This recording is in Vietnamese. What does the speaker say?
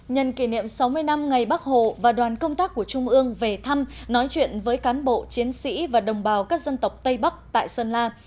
nhân kỷ niệm sáu mươi năm ngày bắc hồ và đoàn công tác của trung ương về thăm nói chuyện với cán bộ chiến sĩ và đồng bào các dân tộc tây bắc tại sơn la